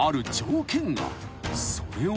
［それは］